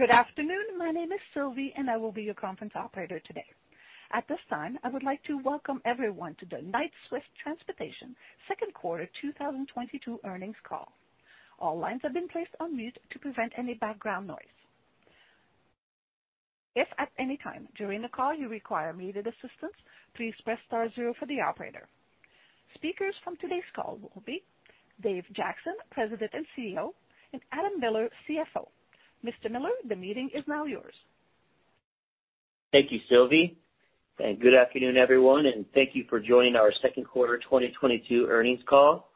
Good afternoon. My name is Sylvie, and I will be your conference operator today. At this time, I would like to welcome everyone to the Knight-Swift Transportation second quarter 2022 earnings call. All lines have been placed on mute to prevent any background noise. If at any time during the call you require immediate assistance, please press star zero for the operator. Speakers from today's call will be Dave Jackson, President and CEO, and Adam Miller, CFO. Mr. Miller, the meeting is now yours. Thank you, Sylvie, and good afternoon, everyone, and thank you for joining our second quarter 2022 earnings call.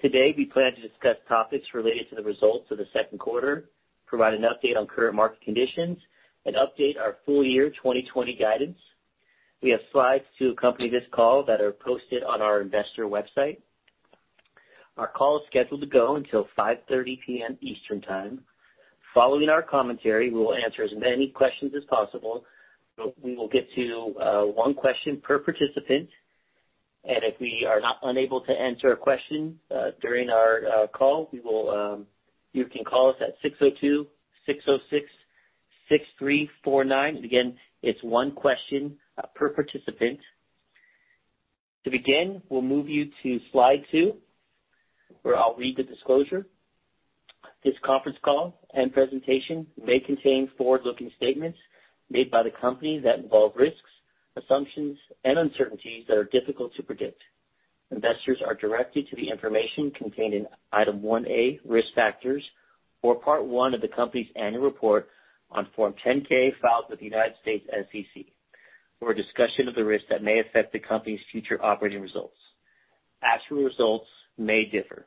Today, we plan to discuss topics related to the results of the second quarter, provide an update on current market conditions, and update our full year 2022 guidance. We have slides to accompany this call that are posted on our investor website. Our call is scheduled to go until 5:30 P.M. Eastern Time. Following our commentary, we will answer as many questions as possible. We will get to one question per participant, and if we are not unable to answer a question during our call, we will. You can call us at 602-606-6349. Again, it's one question per participant. To begin, we'll move you to slide two, where I'll read the disclosure. This conference call and presentation may contain forward-looking statements made by the company that involve risks, assumptions, and uncertainties that are difficult to predict. Investors are directed to the information contained in Item 1A, Risk Factors, in Part I of the company's annual report on Form 10-K filed with the U.S. SEC for a discussion of the risks that may affect the company's future operating results. Actual results may differ.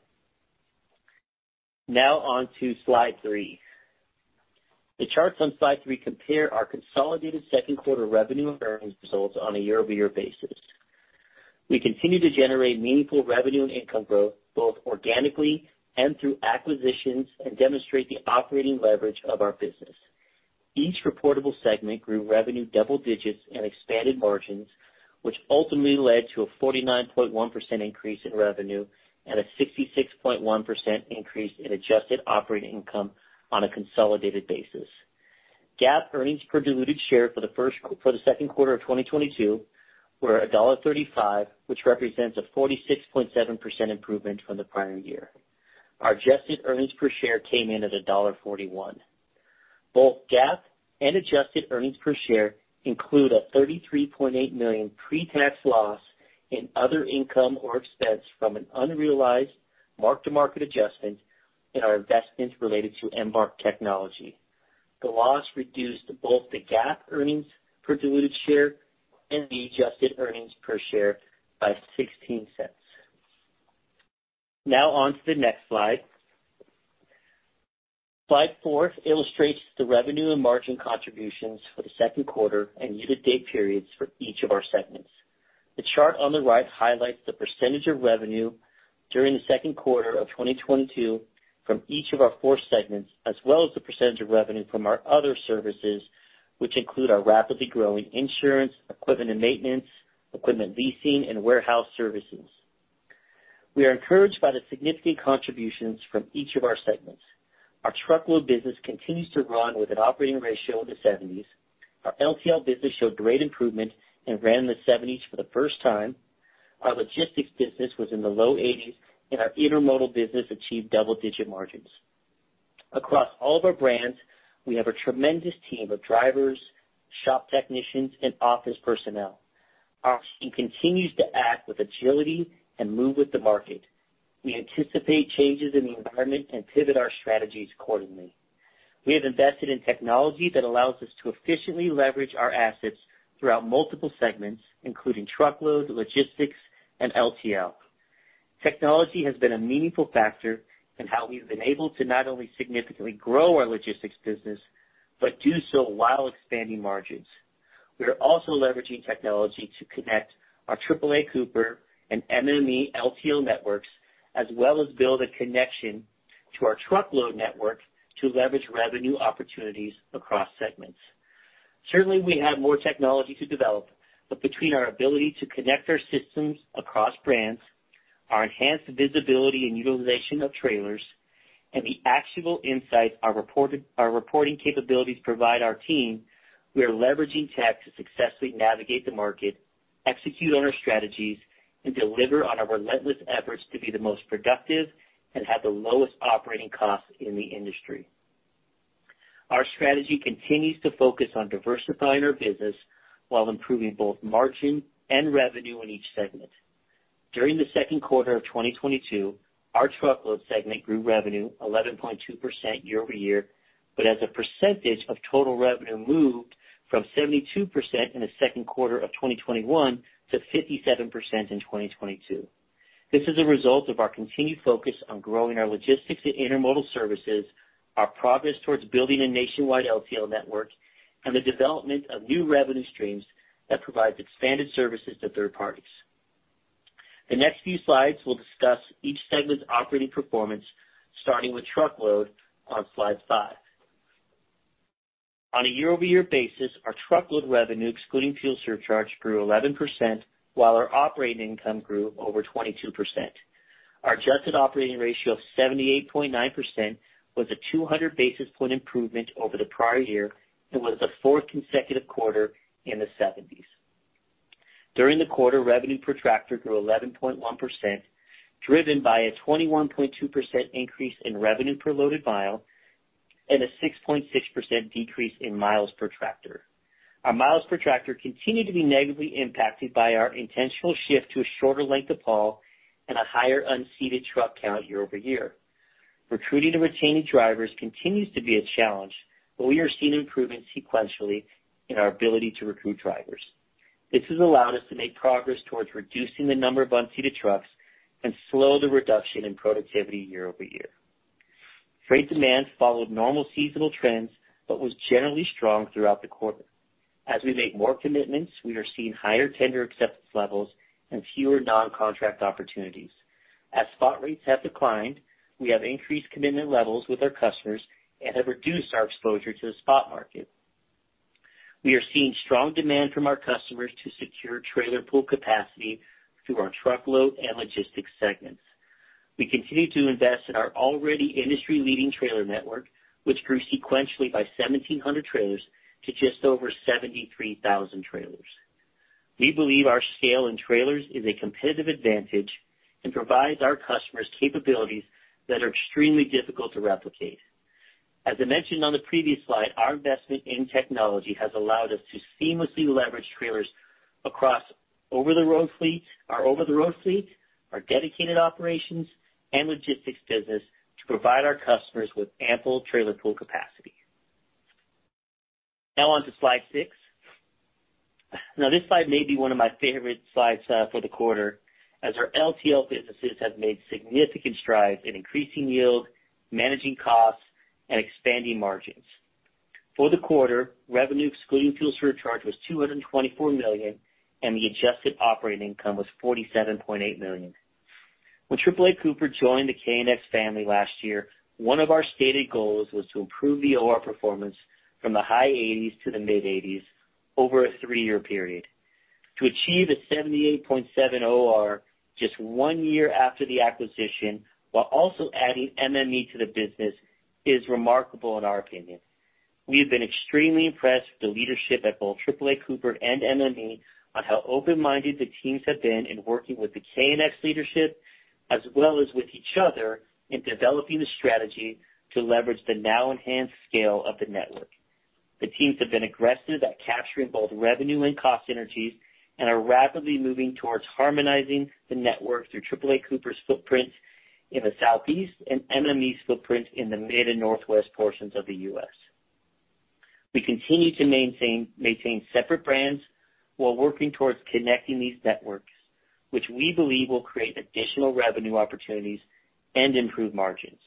Now on to slide three. The charts on slide three compare our consolidated second quarter revenue and earnings results on a year-over-year basis. We continue to generate meaningful revenue and income growth both organically and through acquisitions and demonstrate the operating leverage of our business. Each reportable segment grew revenue double digits and expanded margins, which ultimately led to a 49.1% increase in revenue and a 66.1% increase in adjusted operating income on a consolidated basis. GAAP earnings per diluted share for the second quarter of 2022 were $1.35, which represents a 46.7% improvement from the prior year. Our adjusted earnings per share came in at $1.41. Both GAAP and adjusted earnings per share include a $33.8 million pre-tax loss in other income or expense from an unrealized mark-to-market adjustment in our investments related to Embark Technology. The loss reduced both the GAAP earnings per diluted share and the adjusted earnings per share by $0.16. Now on to the next slide. Slide four illustrates the revenue and margin contributions for the second quarter and year-to-date periods for each of our segments. The chart on the right highlights the percentage of revenue during the second quarter of 2022 from each of our four segments, as well as the percentage of revenue from our other services, which include our rapidly growing insurance, equipment and maintenance, equipment leasing, and warehouse services. We are encouraged by the significant contributions from each of our segments. Our truckload business continues to run with an operating ratio in the 70s. Our LTL business showed great improvement and ran the 70s for the first time. Our logistics business was in the low 80s, and our intermodal business achieved double-digit margins. Across all of our brands, we have a tremendous team of drivers, shop technicians, and office personnel. Our team continues to act with agility and move with the market. We anticipate changes in the environment and pivot our strategies accordingly. We have invested in technology that allows us to efficiently leverage our assets throughout multiple segments, including truckload, logistics, and LTL. Technology has been a meaningful factor in how we've been able to not only significantly grow our logistics business but do so while expanding margins. We are also leveraging technology to connect our AAA Cooper and MME LTL networks, as well as build a connection to our truckload network to leverage revenue opportunities across segments. Certainly we have more technology to develop, but between our ability to connect our systems across brands, our enhanced visibility and utilization of trailers, and the actionable insights our reporting capabilities provide our team, we are leveraging tech to successfully navigate the market, execute on our strategies, and deliver on our relentless efforts to be the most productive and have the lowest operating costs in the industry. Our strategy continues to focus on diversifying our business while improving both margin and revenue in each segment. During the second quarter of 2022, our truckload segment grew revenue 11.2% year-over-year, but as a percentage of total revenue moved from 72% in the second quarter of 2021 to 57% in 2022. This is a result of our continued focus on growing our logistics and intermodal services, our progress towards building a nationwide LTL network, and the development of new revenue streams that provide expanded services to third parties. The next few slides will discuss each segment's operating performance, starting with truckload on slide five. On a year-over-year basis, our truckload revenue, excluding fuel surcharge, grew 11%, while our operating income grew over 22%. Our adjusted operating ratio of 78.9% was a 200 basis point improvement over the prior year and was the fourth consecutive quarter in the seventies. During the quarter, revenue per tractor grew 11.1%, driven by a 21.2% increase in revenue per loaded mile and a 6.6% decrease in miles per tractor. Our miles per tractor continued to be negatively impacted by our intentional shift to a shorter length of haul and a higher unseated truck count year-over-year. Recruiting and retaining drivers continues to be a challenge, but we are seeing improvement sequentially in our ability to recruit drivers. This has allowed us to make progress towards reducing the number of unseated trucks and slow the reduction in productivity year-over-year. Freight demand followed normal seasonal trends, but was generally strong throughout the quarter. As we make more commitments, we are seeing higher tender acceptance levels and fewer non-contract opportunities. As spot rates have declined, we have increased commitment levels with our customers and have reduced our exposure to the spot market. We are seeing strong demand from our customers to secure trailer pool capacity through our truckload and logistics segments. We continue to invest in our already industry-leading trailer network, which grew sequentially by 1,700 trailers to just over 73,000 trailers. We believe our scale in trailers is a competitive advantage and provides our customers capabilities that are extremely difficult to replicate. As I mentioned on the previous slide, our investment in technology has allowed us to seamlessly leverage trailers across our over the road fleet, our dedicated operations and logistics business to provide our customers with ample trailer pool capacity. Now on to slide six. Now, this slide may be one of my favorite slides, for the quarter, as our LTL businesses have made significant strides in increasing yield, managing costs, and expanding margins. For the quarter, revenue excluding fuel surcharge was $224 million, and the adjusted operating income was $47.8 million. When AAA Cooper joined the KNX family last year, one of our stated goals was to improve the OR performance from the high eighties to the mid-eighties over a three-year period. To achieve a 78.7 OR just one year after the acquisition, while also adding MME to the business, is remarkable in our opinion. We have been extremely impressed with the leadership at both AAA Cooper and MME on how open-minded the teams have been in working with the KNX leadership as well as with each other in developing the strategy to leverage the now enhanced scale of the network. The teams have been aggressive at capturing both revenue and cost synergies and are rapidly moving towards harmonizing the network through AAA Cooper's footprint in the Southeast and MME's footprint in the Midwest and northwest portions of the U.S. We continue to maintain separate brands while working towards connecting these networks, which we believe will create additional revenue opportunities and improve margins.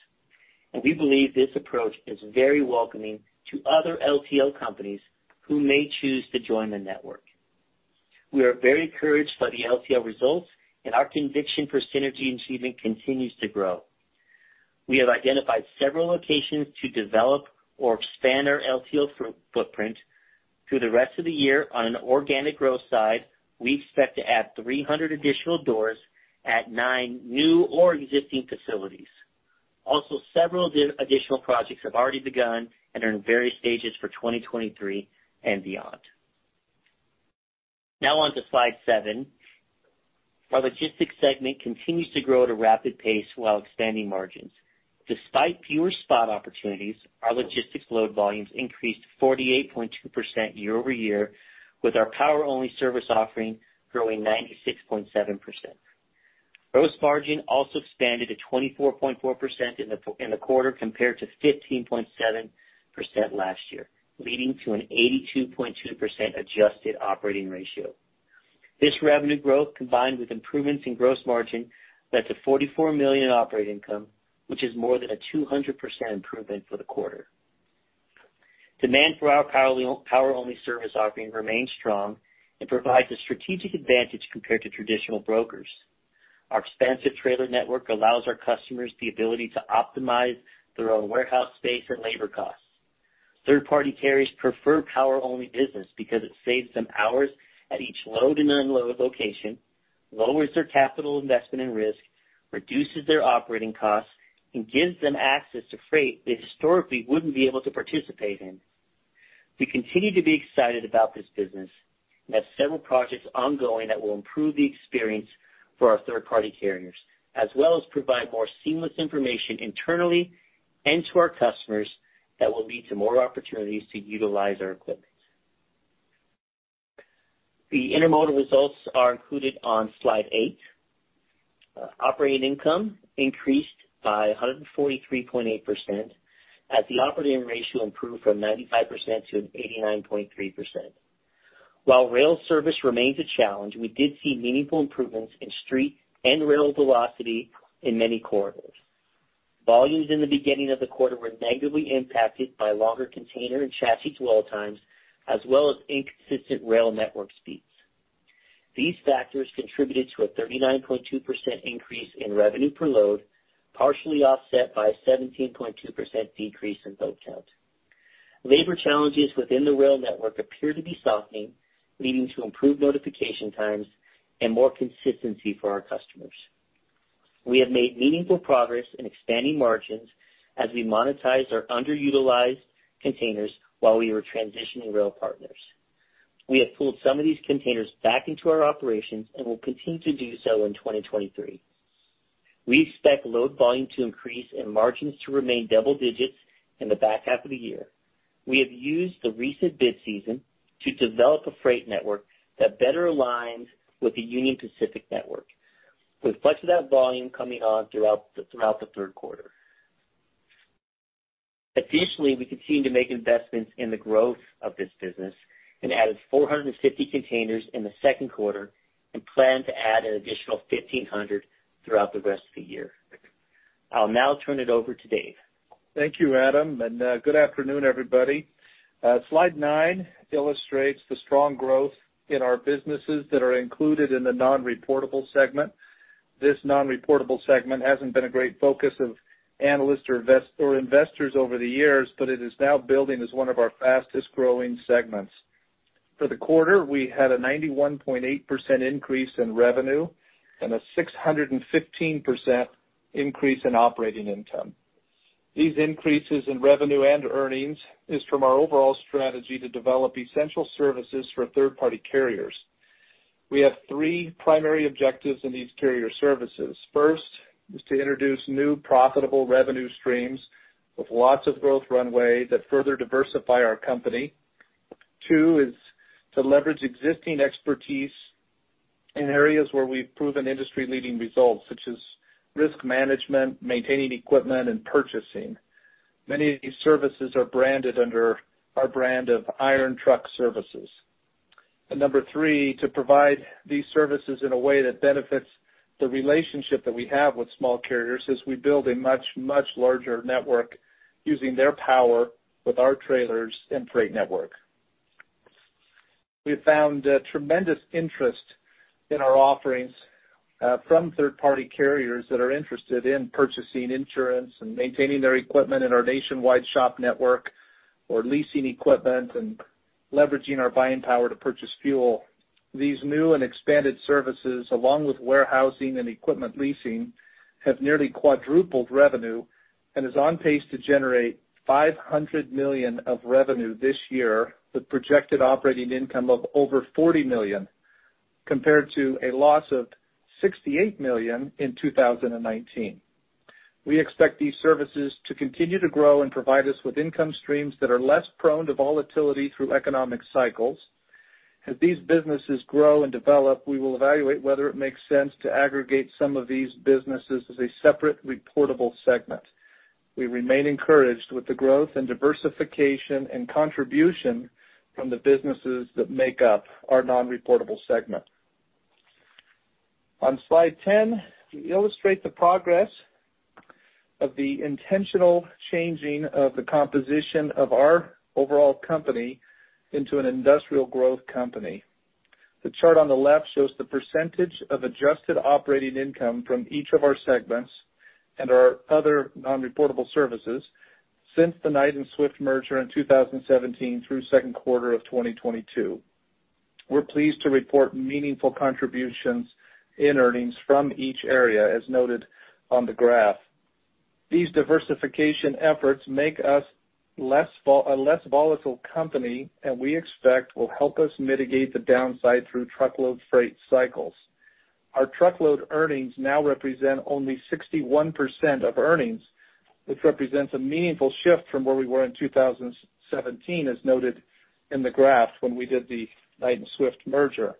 We believe this approach is very welcoming to other LTL companies who may choose to join the network. We are very encouraged by the LTL results, and our conviction for synergy achievement continues to grow. We have identified several locations to develop or expand our LTL footprint through the rest of the year. On an organic growth side, we expect to add 300 additional doors at nine new or existing facilities. Also, several additional projects have already begun and are in various stages for 2023 and beyond. Now on to slide seven. Our logistics segment continues to grow at a rapid pace while expanding margins. Despite fewer spot opportunities, our logistics load volumes increased 48.2% year-over-year, with our power-only service offering growing 96.7%. Gross margin also expanded to 24.4% in the quarter, compared to 15.7% last year, leading to an 82.2% adjusted operating ratio. This revenue growth, combined with improvements in gross margin, led to $44 million in operating income, which is more than a 200% improvement for the quarter. Demand for our power-only service offering remains strong and provides a strategic advantage compared to traditional brokers. Our expansive trailer network allows our customers the ability to optimize their own warehouse space and labor costs. Third-party carriers prefer power-only business because it saves them hours at each load and unload location, lowers their capital investment and risk, reduces their operating costs, and gives them access to freight they historically wouldn't be able to participate in. We continue to be excited about this business and have several projects ongoing that will improve the experience for our third-party carriers, as well as provide more seamless information internally and to our customers that will lead to more opportunities to utilize our equipment. The intermodal results are included on slide eight. Operating income increased by 143.8% as the operating ratio improved from 95% to an 89.3%. While rail service remains a challenge, we did see meaningful improvements in street and rail velocity in many corridors. Volumes in the beginning of the quarter were negatively impacted by longer container and chassis dwell times, as well as inconsistent rail network speeds. These factors contributed to a 39.2% increase in revenue per load, partially offset by a 17.2% decrease in load count. Labor challenges within the rail network appear to be softening, leading to improved notification times and more consistency for our customers. We have made meaningful progress in expanding margins as we monetize our underutilized containers while we were transitioning rail partners. We have pulled some of these containers back into our operations and will continue to do so in 2023. We expect load volume to increase and margins to remain double digits in the back half of the year. We have used the recent bid season to develop a freight network that better aligns with the Union Pacific network, with much of that volume coming on throughout the third quarter. Additionally, we continue to make investments in the growth of this business and added 450 containers in the second quarter and plan to add an additional 1,500 throughout the rest of the year. I'll now turn it over to Dave. Thank you, Adam, and good afternoon, everybody. Slide nine illustrates the strong growth in our businesses that are included in the non-reportable segment. This non-reportable segment hasn't been a great focus of analysts or vested investors over the years, but it is now building as one of our fastest-growing segments. For the quarter, we had a 91.8% increase in revenue and a 615% increase in operating income. These increases in revenue and earnings is from our overall strategy to develop essential services for third-party carriers. We have three primary objectives in these carrier services. First is to introduce new profitable revenue streams with lots of growth runway that further diversify our company. Two is to leverage existing expertise in areas where we've proven industry-leading results, such as risk management, maintaining equipment, and purchasing. Many of these services are branded under our brand of Iron Truck Services. Number three, to provide these services in a way that benefits the relationship that we have with small carriers as we build a much, much larger network using their power with our trailers and freight network. We have found tremendous interest in our offerings from third-party carriers that are interested in purchasing insurance and maintaining their equipment in our nationwide shop network, or leasing equipment and leveraging our buying power to purchase fuel. These new and expanded services, along with warehousing and equipment leasing, have nearly quadrupled revenue and is on pace to generate $500 million of revenue this year, with projected operating income of over $40 million, compared to a loss of $68 million in 2019. We expect these services to continue to grow and provide us with income streams that are less prone to volatility through economic cycles. As these businesses grow and develop, we will evaluate whether it makes sense to aggregate some of these businesses as a separate reportable segment. We remain encouraged with the growth and diversification and contribution from the businesses that make up our non-reportable segment. On slide 10, we illustrate the progress of the intentional changing of the composition of our overall company into an industrial growth company. The chart on the left shows the percentage of adjusted operating income from each of our segments and our other non-reportable services since the Knight and Swift merger in 2017 through second quarter of 2022. We're pleased to report meaningful contributions in earnings from each area, as noted on the graph. These diversification efforts make us a less volatile company and we expect will help us mitigate the downside through truckload freight cycles. Our truckload earnings now represent only 61% of earnings, which represents a meaningful shift from where we were in 2017, as noted in the graph, when we did the Knight and Swift merger.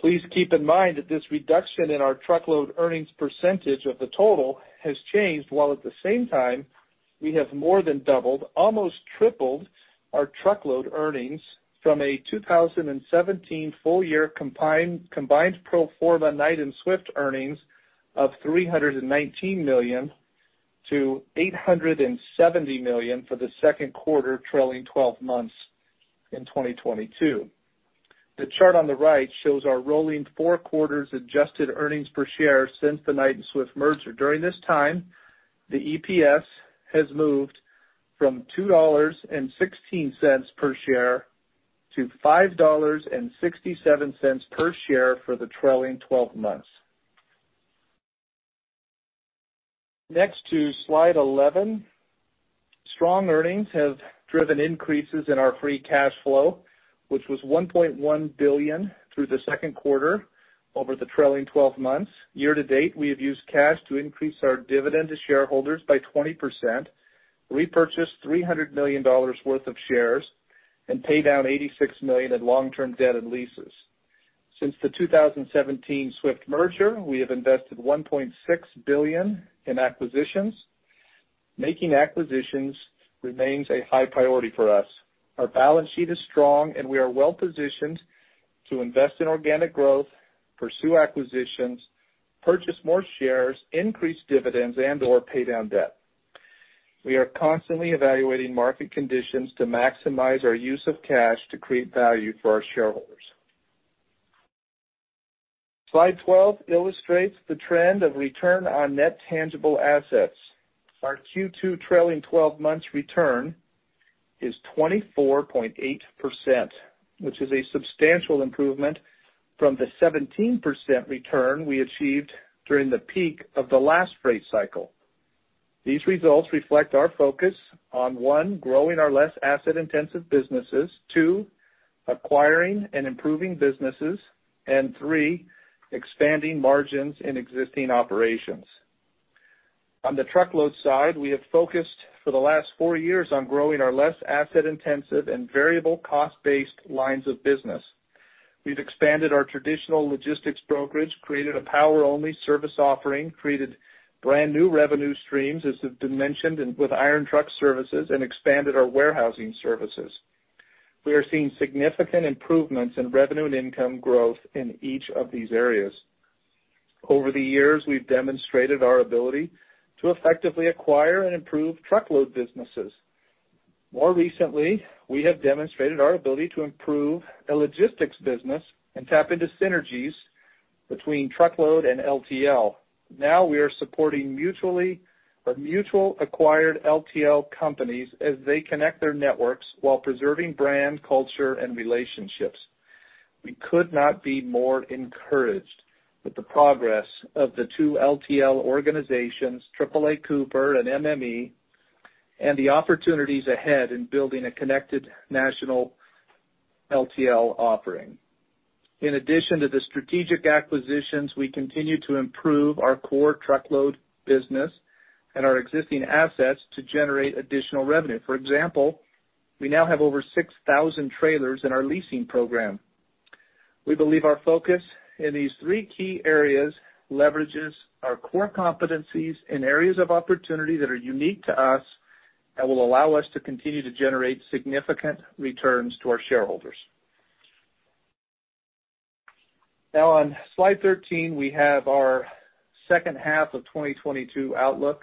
Please keep in mind that this reduction in our truckload earnings percentage of the total has changed, while at the same time, we have more than doubled, almost tripled our truckload earnings from a 2017 full year combined pro forma Knight and Swift earnings of $319 million to $870 million for the second quarter trailing twelve months in 2022. The chart on the right shows our rolling four quarters adjusted earnings per share since the Knight and Swift merger. During this time, the EPS has moved from $2.16 per share to $5.67 per share for the trailing twelve months. Next to slide 11. Strong earnings have driven increases in our free cash flow, which was $1.1 billion through the second quarter over the trailing twelve months. Year to date, we have used cash to increase our dividend to shareholders by 20%, repurchase $300 million worth of shares, and pay down $86 million in long-term debt and leases. Since the 2017 Swift merger, we have invested $1.6 billion in acquisitions. Making acquisitions remains a high priority for us. Our balance sheet is strong, and we are well-positioned to invest in organic growth, pursue acquisitions, purchase more shares, increase dividends, and/or pay down debt. We are constantly evaluating market conditions to maximize our use of cash to create value for our shareholders. Slide 12 illustrates the trend of return on net tangible assets. Our Q2 trailing twelve months return is 24.8%, which is a substantial improvement from the 17% return we achieved during the peak of the last freight cycle. These results reflect our focus on, one, growing our less asset-intensive businesses, two, acquiring and improving businesses, and three, expanding margins in existing operations. On the truckload side, we have focused for the last four years on growing our less asset-intensive and variable cost-based lines of business. We've expanded our traditional logistics brokerage, created a power-only service offering, created brand-new revenue streams, as has been mentioned with Iron Truck Services, and expanded our warehousing services. We are seeing significant improvements in revenue and income growth in each of these areas. Over the years, we've demonstrated our ability to effectively acquire and improve truckload businesses. More recently, we have demonstrated our ability to improve a logistics business and tap into synergies between truckload and LTL. Now we are supporting mutually acquired LTL companies as they connect their networks while preserving brand, culture, and relationships. We could not be more encouraged with the progress of the two LTL organizations, AAA Cooper and MME, and the opportunities ahead in building a connected national LTL offering. In addition to the strategic acquisitions, we continue to improve our core truckload business and our existing assets to generate additional revenue. For example, we now have over 6,000 trailers in our leasing program. We believe our focus in these three key areas leverages our core competencies in areas of opportunity that are unique to us and will allow us to continue to generate significant returns to our shareholders. Now on slide 13, we have our second half of 2022 outlook.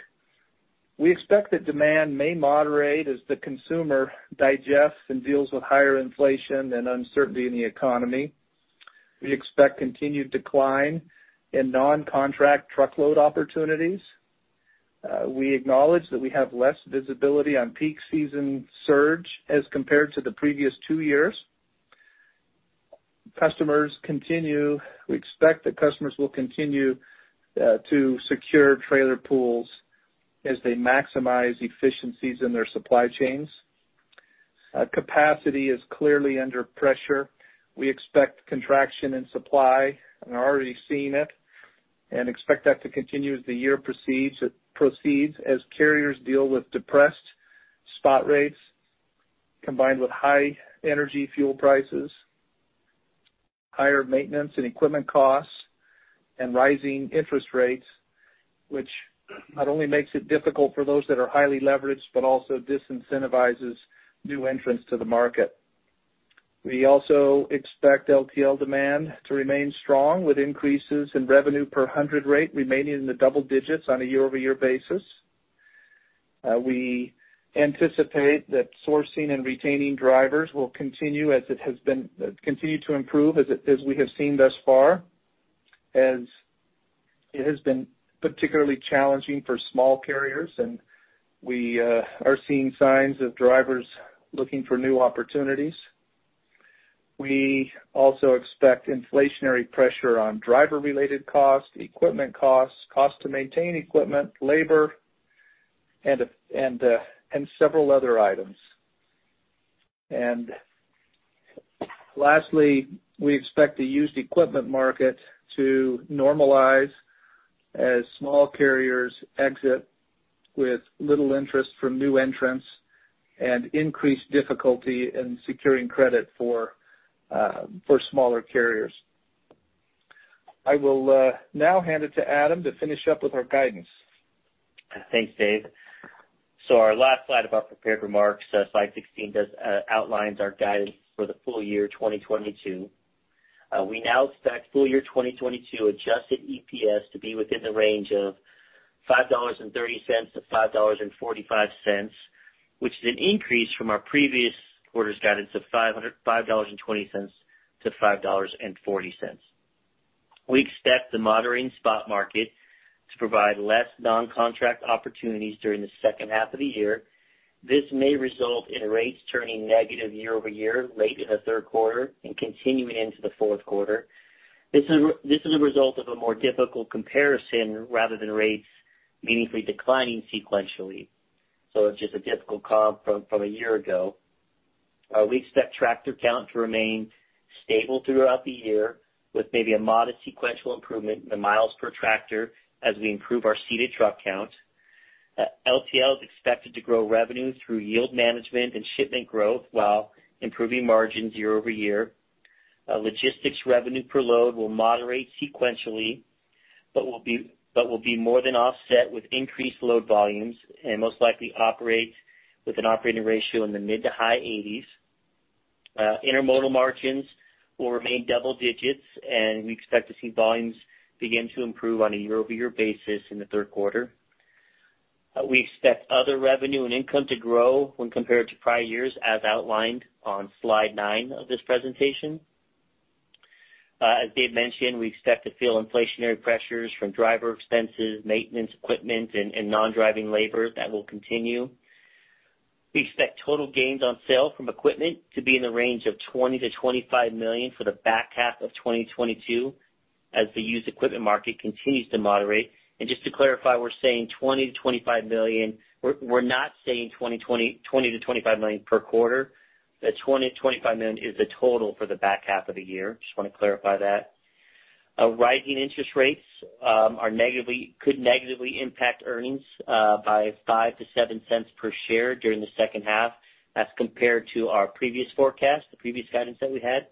We expect that demand may moderate as the consumer digests and deals with higher inflation and uncertainty in the economy. We expect continued decline in non-contract truckload opportunities. We acknowledge that we have less visibility on peak season surge as compared to the previous two years. We expect that customers will continue to secure trailer pools as they maximize efficiencies in their supply chains. Capacity is clearly under pressure. We expect contraction in supply and are already seeing it, and expect that to continue as the year proceeds as carriers deal with depressed spot rates, combined with high energy fuel prices, higher maintenance and equipment costs, and rising interest rates, which not only makes it difficult for those that are highly leveraged, but also disincentivizes new entrants to the market. We also expect LTL demand to remain strong, with increases in revenue per hundredweight remaining in the double digits on a year-over-year basis. We anticipate that sourcing and retaining drivers will continue to improve as we have seen thus far, as it has been particularly challenging for small carriers, and we are seeing signs of drivers looking for new opportunities. We also expect inflationary pressure on driver-related costs, equipment costs to maintain equipment, labor, and several other items. Lastly, we expect the used equipment market to normalize as small carriers exit with little interest from new entrants and increased difficulty in securing credit for smaller carriers. I will now hand it to Adam to finish up with our guidance. Thanks, Dave. Our last slide of our prepared remarks, slide 16, outlines our guidance for the full year 2022. We now expect full year 2022 adjusted EPS to be within the range of $5.30-$5.45, which is an increase from our previous quarter's guidance of $5.20-$5.40. We expect the moderating spot market to provide less non-contract opportunities during the second half of the year. This may result in rates turning negative year-over-year late in the third quarter and continuing into the fourth quarter. This is a result of a more difficult comparison rather than rates meaningfully declining sequentially. It's just a difficult comp from a year ago. We expect tractor count to remain stable throughout the year with maybe a modest sequential improvement in the miles per tractor as we improve our seated truck count. LTL is expected to grow revenue through yield management and shipment growth while improving margins year over year. Logistics revenue per load will moderate sequentially, but will be more than offset with increased load volumes and most likely operate with an operating ratio in the mid- to high 80s. Intermodal margins will remain double digits, and we expect to see volumes begin to improve on a year-over-year basis in the third quarter. We expect other revenue and income to grow when compared to prior years, as outlined on slide nine of this presentation. As Dave mentioned, we expect to feel inflationary pressures from driver expenses, maintenance equipment and non-driving labor that will continue. We expect total gains on sale from equipment to be in the range of $20-$25 million for the back half of 2022 as the used equipment market continues to moderate. Just to clarify, we're saying $20-$25 million. We're not saying 2020, 20 to 25 million per quarter. The $20-$25 million is the total for the back half of the year. Just wanna clarify that. Rising interest rates could negatively impact earnings by $0.05-$0.07 per share during the second half as compared to our previous forecast, the previous guidance that we had.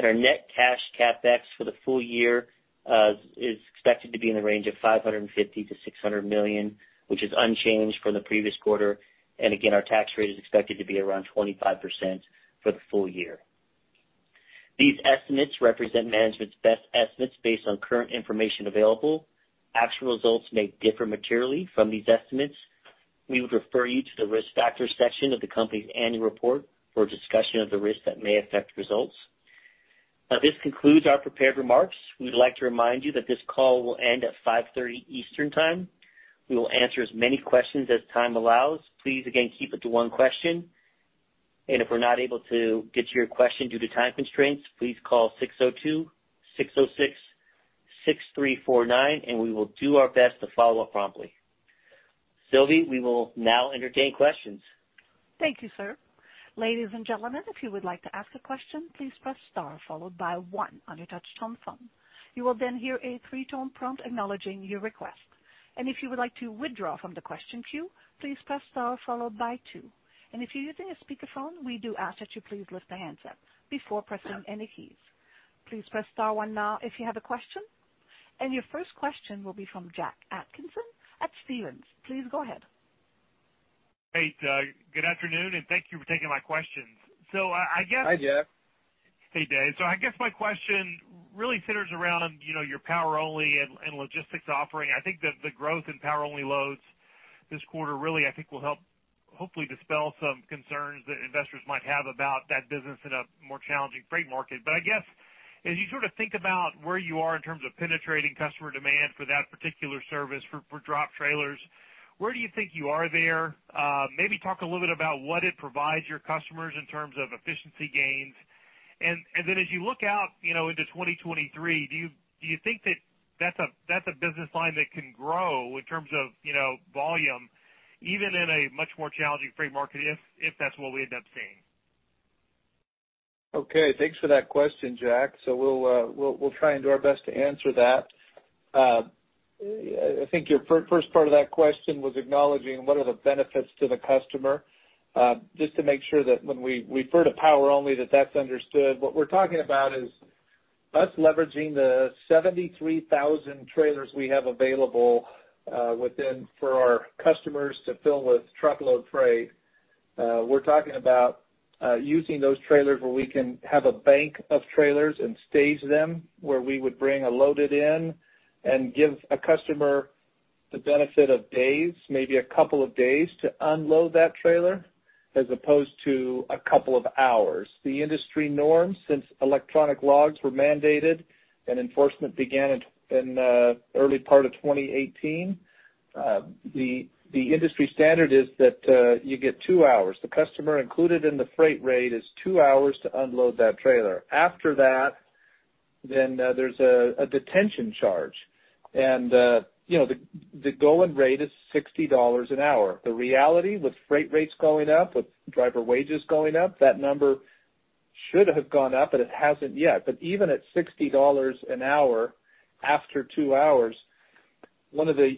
Our net cash CapEx for the full year is expected to be in the range of $550 million-$600 million, which is unchanged from the previous quarter. Again, our tax rate is expected to be around 25% for the full year. These estimates represent management's best estimates based on current information available. Actual results may differ materially from these estimates. We would refer you to the risk factors section of the company's annual report for a discussion of the risks that may affect results. Now this concludes our prepared remarks. We would like to remind you that this call will end at 5:30 P.M. Eastern Time. We will answer as many questions as time allows. Please again, keep it to one question, and if we're not able to get to your question due to time constraints, please call 602-606-6349, and we will do our best to follow up promptly. Sylvie, we will now entertain questions. Thank you, sir. Ladies and gentlemen, if you would like to ask a question, please press star followed by one on your touchtone phone. You will then hear a three-tone prompt acknowledging your request. If you would like to withdraw from the question queue, please press star followed by two. If you're using a speakerphone, we do ask that you please lift the handset before pressing any keys. Please press star one now if you have a question. Your first question will be from Jack Atkins at Stephens. Please go ahead. Hey, good afternoon, and thank you for taking my questions. I guess- Hi, Jack. Hey, Dave. I guess my question really centers around, you know, your power-only and logistics offering. I think the growth in power-only loads this quarter really will help hopefully dispel some concerns that investors might have about that business in a more challenging freight market. I guess as you sort of think about where you are in terms of penetrating customer demand for that particular service for drop trailers, where do you think you are there? Maybe talk a little bit about what it provides your customers in terms of efficiency gains. As you look out, you know, into 2023, do you think that that's a business line that can grow in terms of, you know, volume even in a much more challenging freight market if that's what we end up seeing? Okay. Thanks for that question, Jack. We'll try and do our best to answer that. I think your first part of that question was acknowledging what are the benefits to the customer. Just to make sure that when we refer to power only that that's understood. What we're talking about is us leveraging the 73,000 trailers we have available within for our customers to fill with truckload freight. We're talking about using those trailers where we can have a bank of trailers and stage them where we would bring a loaded in and give a customer the benefit of days, maybe a couple of days to unload that trailer as opposed to a couple of hours. The industry norm since electronic logs were mandated and enforcement began in early part of 2018, the industry standard is that you get two hours. The customer included in the freight rate is two hours to unload that trailer. After that, there's a detention charge. You know, the going rate is $60 an hour. The reality with freight rates going up, with driver wages going up, that number should have gone up, but it hasn't yet. Even at $60 an hour after two hours, one of the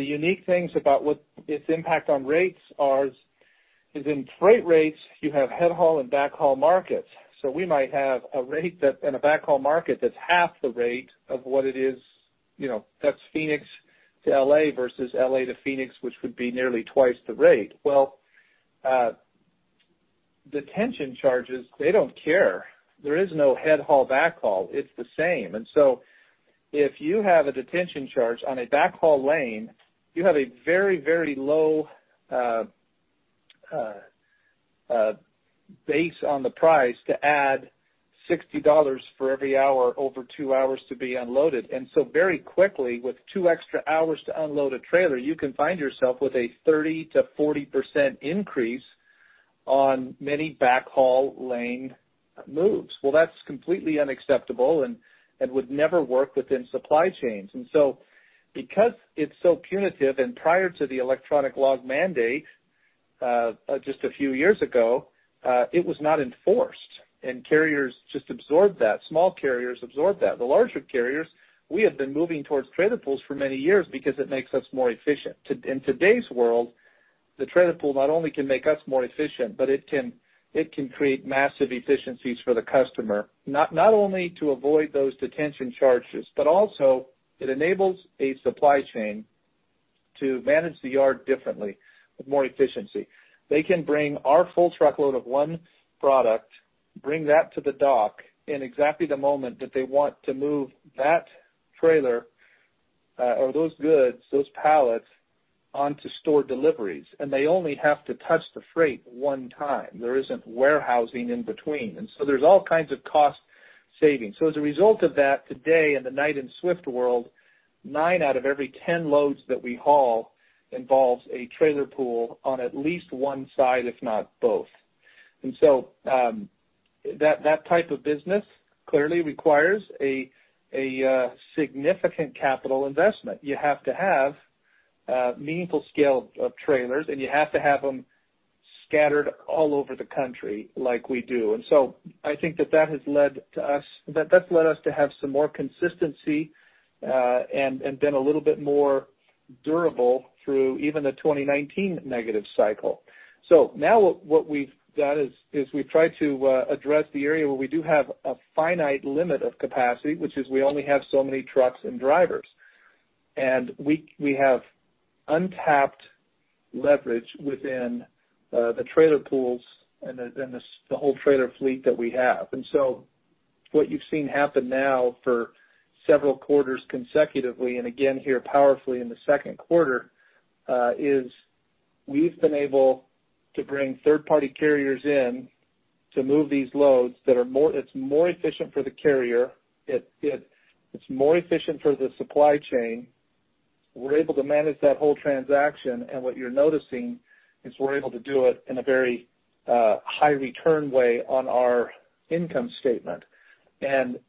unique things about what its impact on rates are is in freight rates you have head haul and back haul markets. We might have a rate that in a back haul market that's half the rate of what it is, you know, that's Phoenix to L.A. versus L.A. to Phoenix, which would be nearly twice the rate. Well, detention charges, they don't care. There is no head haul, back haul. It's the same. If you have a detention charge on a back haul lane, you have a very, very low base on the price to add $60 for every hour over 2 hours to be unloaded. Very quickly, with 2 extra hours to unload a trailer, you can find yourself with a 30%-40% increase on many back haul lane moves. Well, that's completely unacceptable and would never work within supply chains. Because it's so punitive and prior to the electronic log mandate, just a few years ago, it was not enforced and carriers just absorbed that. Small carriers absorbed that. The larger carriers, we have been moving towards trailer pools for many years because it makes us more efficient. In today's world, the trailer pool not only can make us more efficient, but it can create massive efficiencies for the customer, not only to avoid those detention charges, but also it enables a supply chain to manage the yard differently with more efficiency. They can bring our full truckload of one product, bring that to the dock in exactly the moment that they want to move that trailer, or those goods, those pallets onto store deliveries, and they only have to touch the freight one time. There isn't warehousing in between. There's all kinds of cost savings. As a result of that, today in the Knight-Swift world, 9 out of every 10 loads that we haul involves a trailer pool on at least one side, if not both. That type of business clearly requires a significant capital investment. You have to have meaningful scale of trailers, and you have to have them scattered all over the country like we do. I think that has led to us. That's led us to have some more consistency and been a little bit more durable through even the 2019 negative cycle. Now what we've done is we've tried to address the area where we do have a finite limit of capacity, which is we only have so many trucks and drivers. We have untapped leverage within the trailer pools and the whole trailer fleet that we have. What you've seen happen now for several quarters consecutively, and again here powerfully in the second quarter, is we've been able to bring third-party carriers in to move these loads that are more. It's more efficient for the carrier. It's more efficient for the supply chain. We're able to manage that whole transaction, and what you're noticing is we're able to do it in a very high return way on our income statement.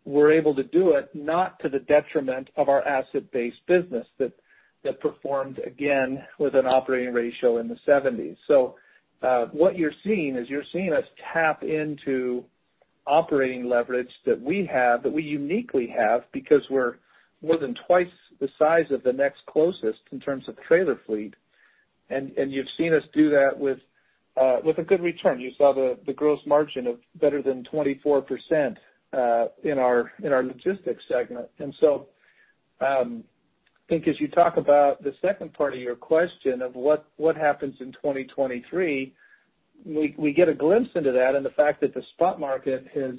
We're able to do it not to the detriment of our asset-based business that performed, again, with an operating ratio in the 70s%. What you're seeing is us tap into operating leverage that we have, that we uniquely have, because we're more than twice the size of the next closest in terms of trailer fleet. You've seen us do that with a good return. You saw the gross margin of better than 24% in our logistics segment. I think as you talk about the second part of your question of what happens in 2023, we get a glimpse into that and the fact that the spot market has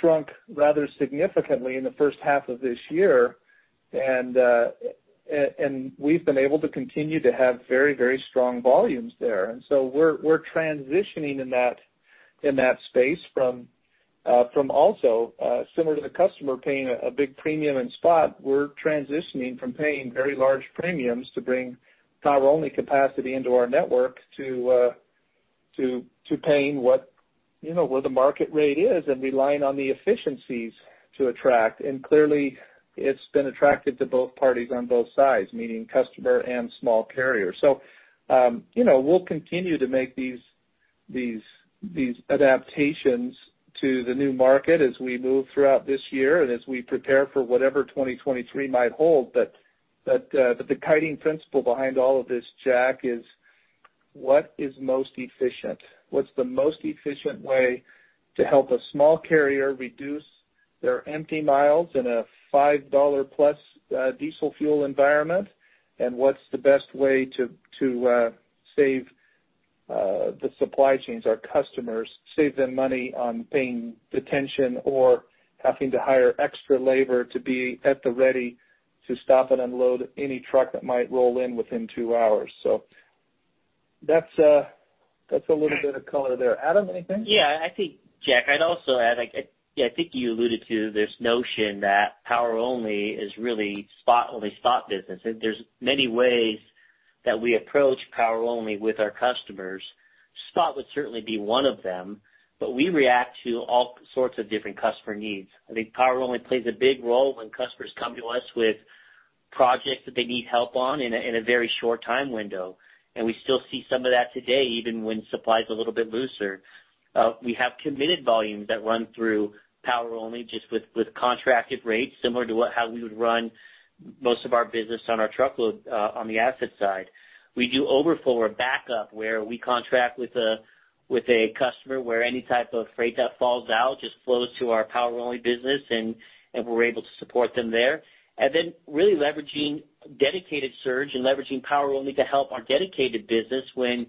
shrunk rather significantly in the first half of this year. We've been able to continue to have strong volumes there. We're transitioning in that space from also similar to the customer paying a big premium in spot. We're transitioning from paying very large premiums to bring power-only capacity into our network to paying what, you know, what the market rate is and relying on the efficiencies to attract. Clearly, it's been attractive to both parties on both sides, meaning customer and small carrier. You know, we'll continue to make these adaptations to the new market as we move throughout this year and as we prepare for whatever 2023 might hold. The guiding principle behind all of this, Jack, is what is most efficient? What's the most efficient way to help a small carrier reduce their empty miles in a $5+ diesel fuel environment? What's the best way to save the supply chains, our customers, save them money on paying detention or having to hire extra labor to be at the ready to stop and unload any truck that might roll in within two hours? That's a little bit of color there. Adam, anything? Yeah, I think, Jack, I'd also add, like, yeah, I think you alluded to this notion that power-only is really spot, only spot business. There's many ways that we approach power-only with our customers. Spot would certainly be one of them, but we react to all sorts of different customer needs. I think power-only plays a big role when customers come to us with projects that they need help on in a very short time window, and we still see some of that today, even when supply's a little bit looser. We have committed volumes that run through power-only just with contracted rates, similar to how we would run most of our business on our truckload, on the asset side. We do overflow or backup, where we contract with a customer where any type of freight that falls out just flows to our power-only business, and we're able to support them there. Really leveraging dedicated surge and leveraging power-only to help our dedicated business when,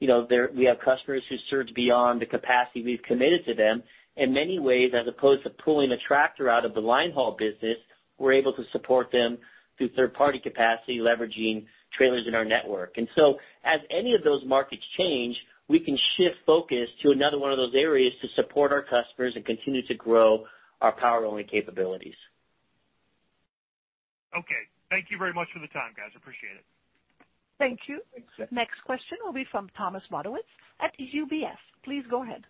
you know, we have customers who surge beyond the capacity we've committed to them. In many ways, as opposed to pulling a tractor out of the line-haul business, we're able to support them through third-party capacity, leveraging trailers in our network. As any of those markets change, we can shift focus to another one of those areas to support our customers and continue to grow our power-only capabilities. Okay. Thank you very much for the time, guys. Appreciate it. Thank you. Next question will be from Thomas Wadewitz at UBS. Please go ahead.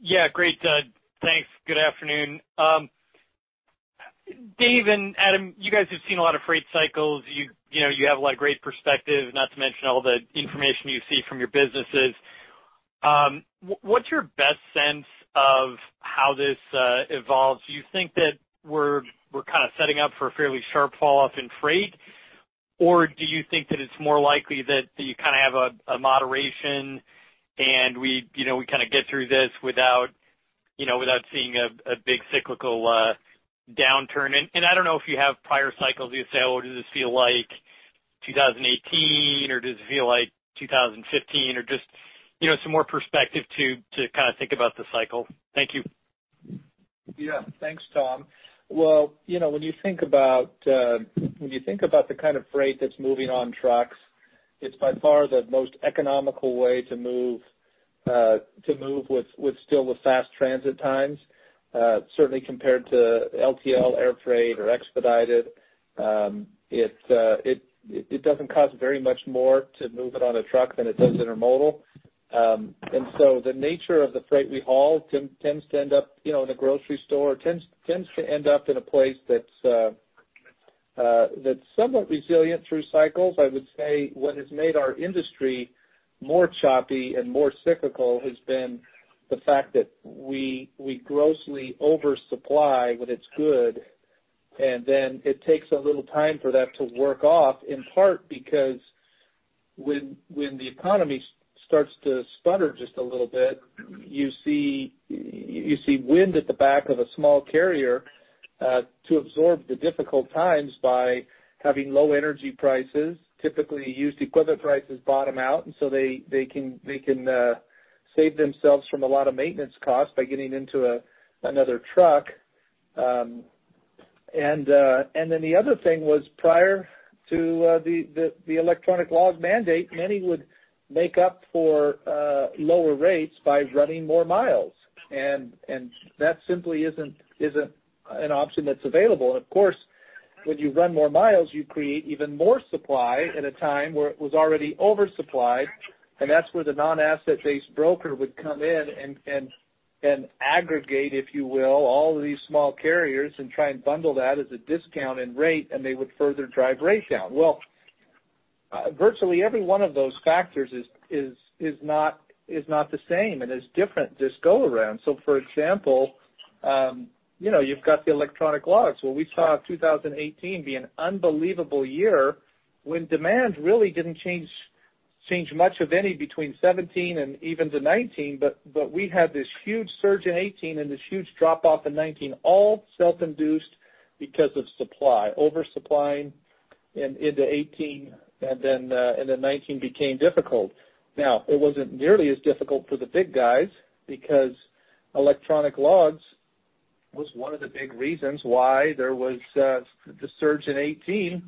Yeah, great, thanks. Good afternoon. Dave and Adam, you guys have seen a lot of freight cycles. You know, you have a lot of great perspective, not to mention all the information you see from your businesses. What's your best sense of how this evolves? Do you think that we're kind of setting up for a fairly sharp fall off in freight? Or do you think that it's more likely that you kind of have a moderation and we, you know, we kind of get through this without, you know, without seeing a big cyclical downturn? I don't know if you have prior cycles you say, oh, does this feel like 2018 or does it feel like 2015? Or just, you know, some more perspective to kind of think about the cycle. Thank you. Yeah. Thanks, Tom. Well, you know, when you think about the kind of freight that's moving on trucks, it's by far the most economical way to move with still the fast transit times, certainly compared to LTL air freight or expedited. It doesn't cost very much more to move it on a truck than it does intermodal. The nature of the freight we haul tends to end up in a grocery store or tends to end up in a place that's somewhat resilient through cycles. I would say what has made our industry more choppy and more cyclical has been the fact that we grossly oversupply when it's good, and then it takes a little time for that to work off, in part because when the economy starts to sputter just a little bit, you see wind at the back of a small carrier to absorb the difficult times by having low energy prices. Typically, used equipment prices bottom out, and so they can save themselves from a lot of maintenance costs by getting into another truck. The other thing was prior to the electronic logs mandate, many would make up for lower rates by running more miles. That simply isn't an option that's available. Of course, when you run more miles, you create even more supply at a time where it was already oversupplied, and that's where the non-asset-based broker would come in and aggregate, if you will, all of these small carriers and try and bundle that as a discount in rate, and they would further drive rates down. Well, virtually every one of those factors is not the same and is different this go around. For example, you know, you've got the electronic logs. Well, we saw 2018 be an unbelievable year when demand really didn't change much of any between 2017 and even to 2019, but we had this huge surge in 2018 and this huge drop off in 2019, all self-induced because of supply oversupplying into 2018 and then 2019 became difficult. Now, it wasn't nearly as difficult for the big guys because electronic logs was one of the big reasons why there was the surge in 2018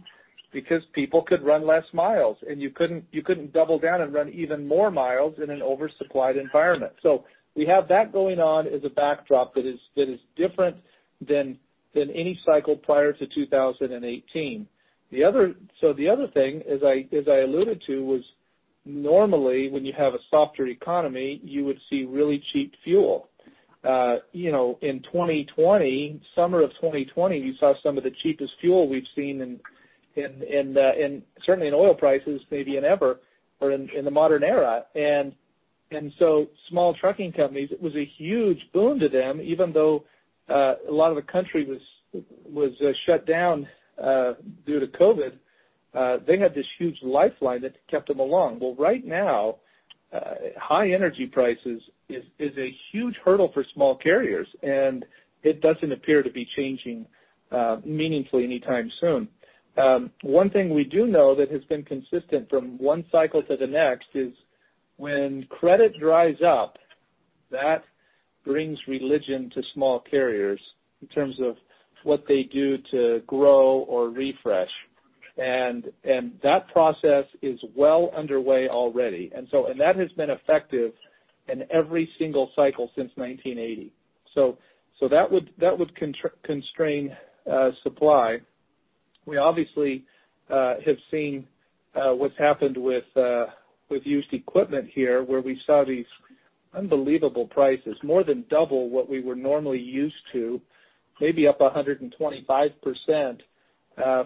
because people could run less miles, and you couldn't double down and run even more miles in an oversupplied environment. We have that going on as a backdrop that is different than any cycle prior to 2018. The other thing, as I alluded to, was normally when you have a softer economy, you would see really cheap fuel. You know, in 2020, summer of 2020, you saw some of the cheapest fuel we've seen in, certainly, in oil prices maybe in ever or in the modern era. Small trucking companies, it was a huge boon to them even though a lot of the country was shut down due to COVID. They had this huge lifeline that kept them afloat. Well, right now high energy prices is a huge hurdle for small carriers, and it doesn't appear to be changing meaningfully anytime soon. One thing we do know that has been consistent from one cycle to the next is when credit dries up, that brings religion to small carriers in terms of what they do to grow or refresh. That process is well underway already. That has been effective in every single cycle since 1980. That would constrain supply. We obviously have seen what's happened with used equipment here, where we saw these unbelievable prices, more than double what we were normally used to, maybe up 125%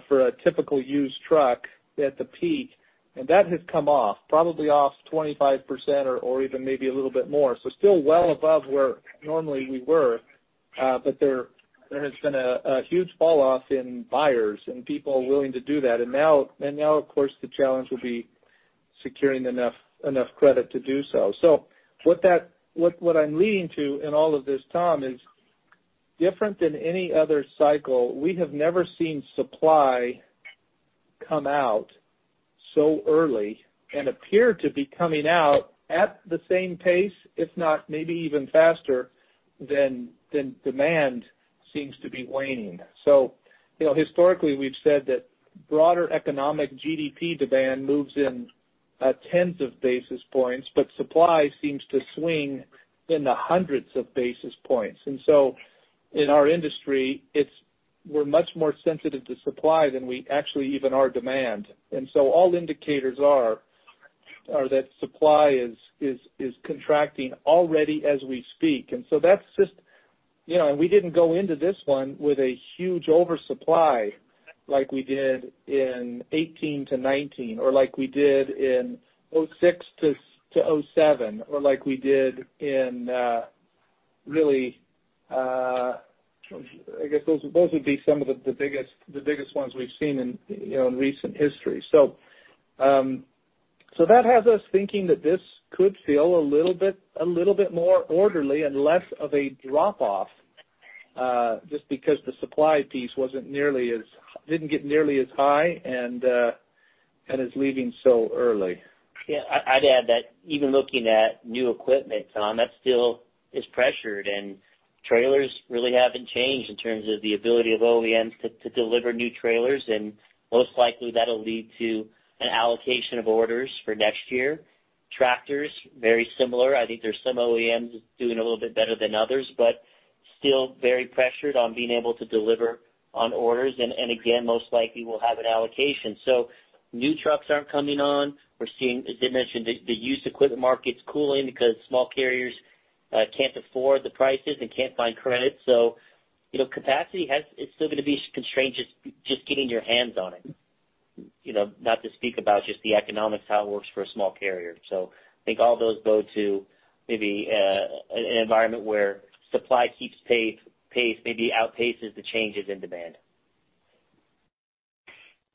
for a typical used truck at the peak. That has come off, probably off 25% or even maybe a little bit more. Still well above where normally we were, but there has been a huge fall off in buyers and people willing to do that. Now, of course, the challenge will be securing enough credit to do so. What I'm leading to in all of this, Tom, is different than any other cycle. We have never seen supply come out so early and appear to be coming out at the same pace, if not maybe even faster than demand seems to be waning. You know, historically, we've said that broader economic GDP demand moves in tens of basis points, but supply seems to swing in the hundreds of basis points. In our industry, we're much more sensitive to supply than we actually even are demand. All indicators are that supply is contracting already as we speak. That's just, you know, we didn't go into this one with a huge oversupply like we did in 2018-2019 or like we did in 2006-2007 or like we did in. I guess those would be some of the biggest ones we've seen in, you know, in recent history. That has us thinking that this could feel a little bit, a little bit more orderly and less of a drop-off, just because the supply piece didn't get nearly as high and is leaving so early. Yeah. I'd add that even looking at new equipment, Tom, that still is pressured and trailers really haven't changed in terms of the ability of OEMs to deliver new trailers, and most likely that'll lead to an allocation of orders for next year. Tractors, very similar. I think there's some OEMs doing a little bit better than others, but still very pressured on being able to deliver on orders and again, most likely we'll have an allocation. New trucks aren't coming on. We're seeing, as I mentioned, the used equipment market's cooling because small carriers can't afford the prices and can't find credit. You know, capacity is still gonna be constrained just getting your hands on it, you know, not to speak about just the economics, how it works for a small carrier. I think all those go to maybe an environment where supply keeps pace, maybe outpaces the changes in demand.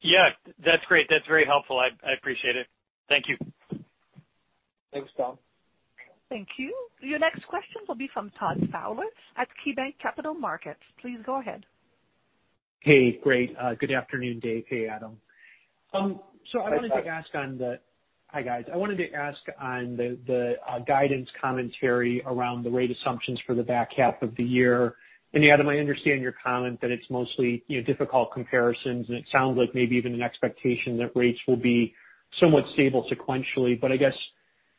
Yeah. That's great. That's very helpful. I appreciate it. Thank you. Thanks, Tom. Thank you. Your next question will be from Todd Fowler at KeyBanc Capital Markets. Please go ahead. Hey. Great. Good afternoon, Dave. Hey, Adam. I wanted to ask on the- Hi, Todd. Hi, guys. I wanted to ask on the guidance commentary around the rate assumptions for the back half of the year. Adam, I understand your comment that it's mostly, you know, difficult comparisons, and it sounds like maybe even an expectation that rates will be somewhat stable sequentially. I guess,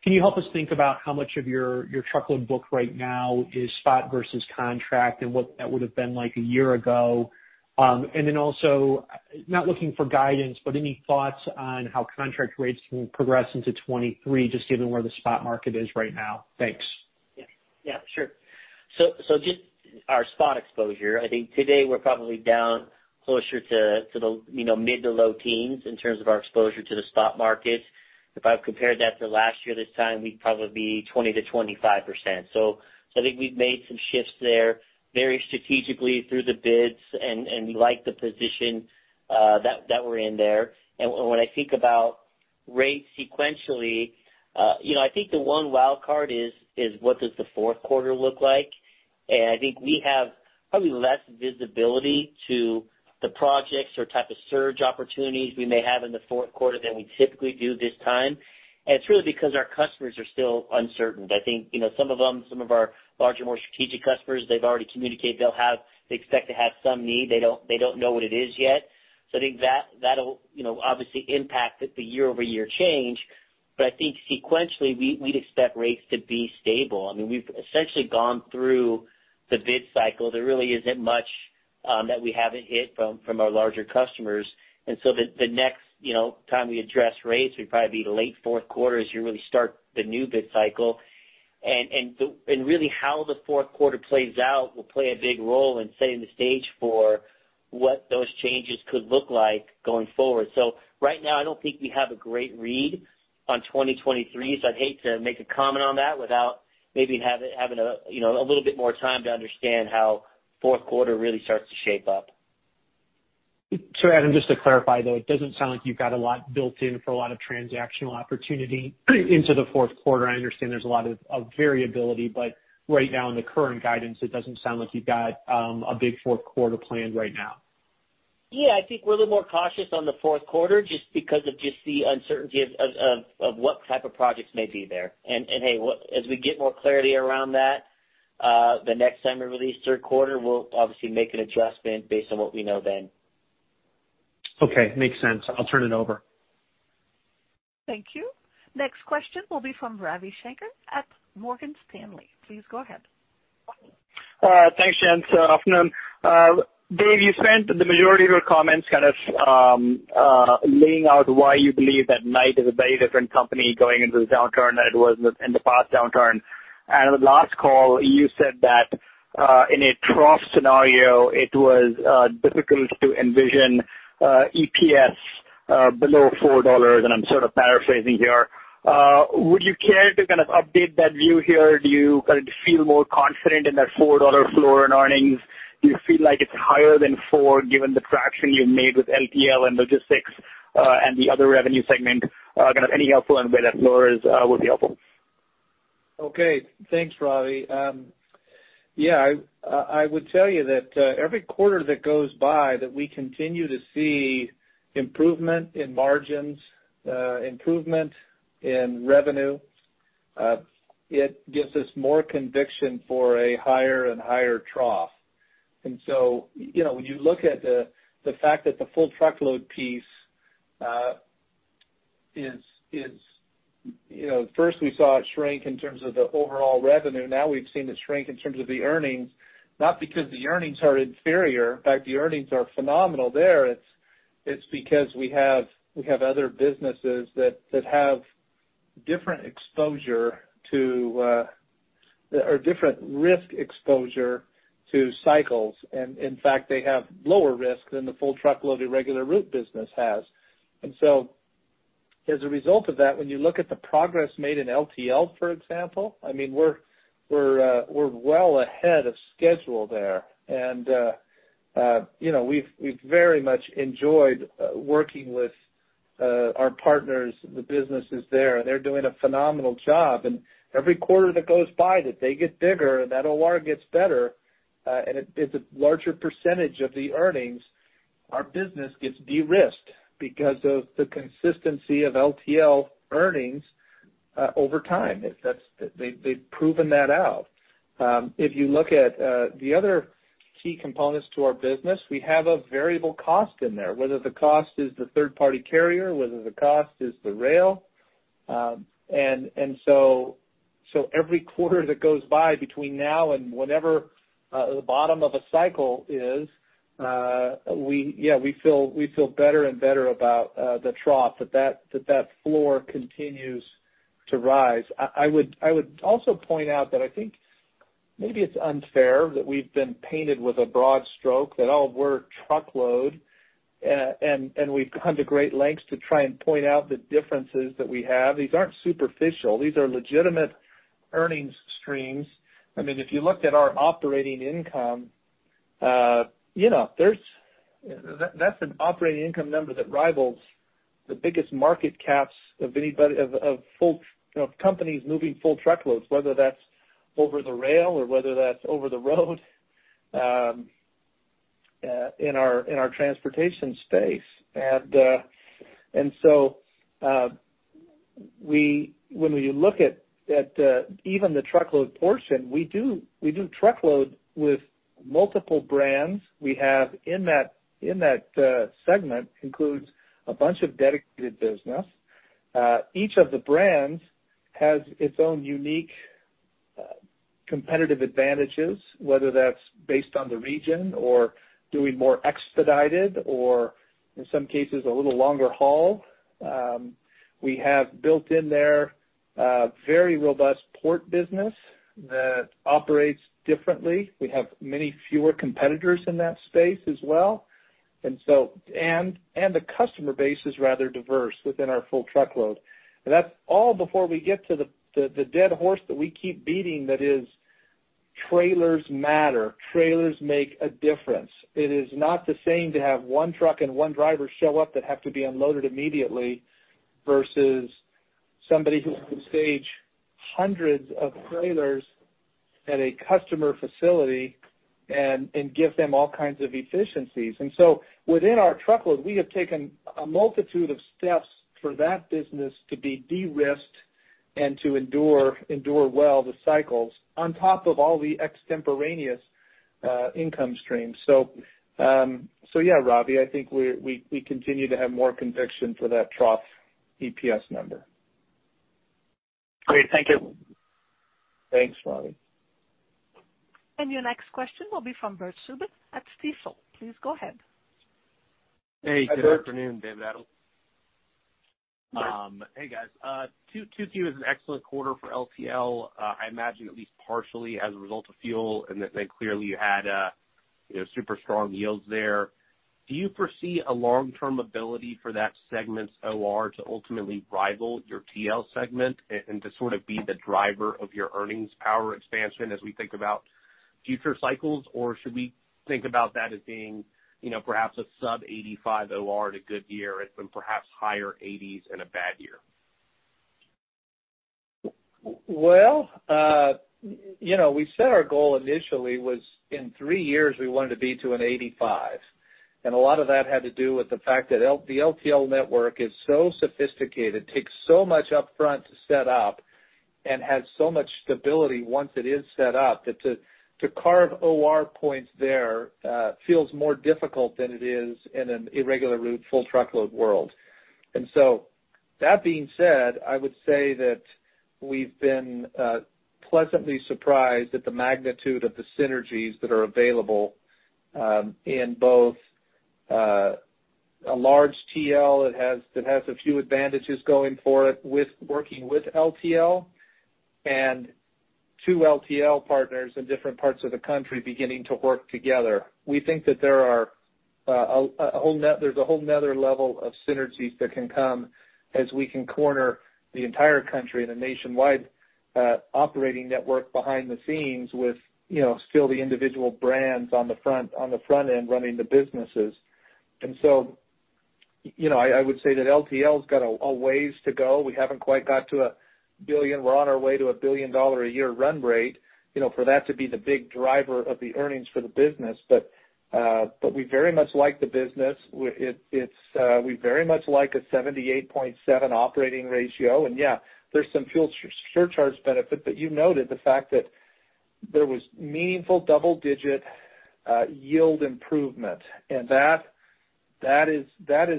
can you help us think about how much of your truckload book right now is spot versus contract and what that would have been like a year ago? Then also, not looking for guidance, but any thoughts on how contract rates will progress into 2023, just given where the spot market is right now? Thanks. Yeah. Yeah. Sure. Just our spot exposure, I think today we're probably down closer to the, you know, mid to low teens in terms of our exposure to the spot markets. If I compared that to last year, this time we'd probably be 20%-25%. I think we've made some shifts there very strategically through the bids and we like the position that we're in there. When I think about rates sequentially, you know, I think the one wildcard is what does the fourth quarter look like? I think we have probably less visibility to the projects or type of surge opportunities we may have in the fourth quarter than we typically do this time. It's really because our customers are still uncertain. I think, you know, some of them, some of our larger, more strategic customers, they've already communicated they'll have, they expect to have some need. They don't know what it is yet. I think that'll, you know, obviously impact the year-over-year change. I think sequentially, we'd expect rates to be stable. I mean, we've essentially gone through the bid cycle. There really isn't much that we haven't hit from our larger customers. The next, you know, time we address rates, we'd probably be the late fourth quarter as you really start the new bid cycle. Really how the fourth quarter plays out will play a big role in setting the stage for what those changes could look like going forward. Right now, I don't think we have a great read on 2023, so I'd hate to make a comment on that without maybe having a, you know, a little bit more time to understand how fourth quarter really starts to shape up. Sorry, Adam, just to clarify, though, it doesn't sound like you've got a lot built in for a lot of transactional opportunity into the fourth quarter. I understand there's a lot of variability, but right now in the current guidance, it doesn't sound like you've got a big fourth quarter planned right now. Yeah. I think we're a little more cautious on the fourth quarter just because of the uncertainty of what type of projects may be there. Hey, as we get more clarity around that, the next time we release third quarter, we'll obviously make an adjustment based on what we know then. Okay. Makes sense. I'll turn it over. Thank you. Next question will be from Ravi Shanker at Morgan Stanley. Please go ahead. Thanks, Gents. Afternoon. Dave, you spent the majority of your comments kind of laying out why you believe that Knight is a very different company going into this downturn than it was in the past downturn. The last call, you said that in a trough scenario, it was difficult to envision EPS below $4, and I'm sort of paraphrasing here. Would you care to kind of update that view here? Do you kind of feel more confident in that $4 floor in earnings? Do you feel like it's higher than $4 given the traction you've made with LTL and logistics, and the other revenue segment? Kind of any helpful on where that floor is would be helpful. Okay. Thanks, Ravi. Yeah, I would tell you that every quarter that goes by that we continue to see improvement in margins, improvement in revenue, it gives us more conviction for a higher and higher trough. You know, when you look at the fact that the full truckload piece, first we saw it shrink in terms of the overall revenue. Now we've seen it shrink in terms of the earnings, not because the earnings are inferior. In fact, the earnings are phenomenal there. It's because we have other businesses that have different exposure to or different risk exposure to cycles. In fact, they have lower risk than the full truckload irregular route business has. As a result of that, when you look at the progress made in LTL, for example, I mean, we're well ahead of schedule there. You know, we've very much enjoyed working with our partners, the businesses there. They're doing a phenomenal job. Every quarter that goes by that they get bigger and that OR gets better, and it's a larger percentage of the earnings, our business gets de-risked because of the consistency of LTL earnings over time. That's. They've proven that out. If you look at the other key components to our business, we have a variable cost in there, whether the cost is the third-party carrier, whether the cost is the rail. Every quarter that goes by between now and whenever the bottom of a cycle is, we feel better and better about the trough that floor continues to rise. I would also point out that I think maybe it's unfair that we've been painted with a broad stroke, that oh, we're truckload. We've gone to great lengths to try and point out the differences that we have. These aren't superficial. These are legitimate earnings streams. I mean, if you looked at our operating income, you know, that's an operating income number that rivals the biggest market caps of anybody of full companies moving full truckloads, whether that's over the rail or whether that's over the road in our transportation space. When you look at even the truckload portion, we do truckload with multiple brands. We have in that segment includes a bunch of dedicated business. Each of the brands has its own unique competitive advantages, whether that's based on the region or doing more expedited or in some cases a little longer haul. We have built in there a very robust port business that operates differently. We have many fewer competitors in that space as well. The customer base is rather diverse within our full truckload. That's all before we get to the dead horse that we keep beating, that is, trailers matter. Trailers make a difference. It is not the same to have one truck and one driver show up that have to be unloaded immediately versus somebody who can stage hundreds of trailers at a customer facility and give them all kinds of efficiencies. Within our truckload, we have taken a multitude of steps for that business to be de-risked and to endure well the cycles on top of all the extemporaneous income streams. Yeah, Ravi Shanker, I think we continue to have more conviction for that trough EPS number. Great. Thank you. Thanks, Ravi. Your next question will be from Bert Subin at Stifel. Please go ahead. Hey, Bert. Hey, good afternoon, David, Adam. Bert. Hey, guys. Q2 was an excellent quarter for LTL, I imagine at least partially as a result of fuel, and then clearly you had super strong yields there. Do you foresee a long-term ability for that segment's OR to ultimately rival your TL segment and to sort of be the driver of your earnings power expansion as we think about future cycles? Or should we think about that as being, you know, perhaps a sub 85 OR at a good year and some perhaps higher 80s in a bad year? Well, you know, we set our goal initially was in three years, we wanted to be to an 85. A lot of that had to do with the fact that the LTL network is so sophisticated, takes so much upfront to set up and has so much stability once it is set up, that to carve OR points there feels more difficult than it is in an irregular route, full truckload world. That being said, I would say that we've been pleasantly surprised at the magnitude of the synergies that are available in both a large TL that has a few advantages going for it with working with LTL and two LTL partners in different parts of the country beginning to work together. We think that there are a whole nother level of synergies that can come as we can cover the entire country in a nationwide operating network behind the scenes with, you know, still the individual brands on the front end running the businesses. You know, I would say that LTL has got a ways to go. We haven't quite got to $1 billion. We're on our way to a $1 billion a year run rate, you know, for that to be the big driver of the earnings for the business. But we very much like the business. We very much like a 78.7% operating ratio. Yeah, there's some fuel surcharge benefit, but you noted the fact that there was meaningful double-digit yield improvement. That is